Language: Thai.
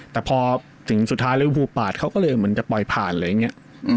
แต่พอถึงสุดท้ายริวภูปาดเขาก็เลยเหมือนจะปล่อยผ่านอะไรอย่างนี้